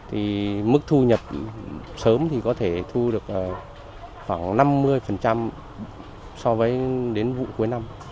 thì mức thu nhập sớm thì có thể thu được khoảng năm mươi so với đến vụ cuối năm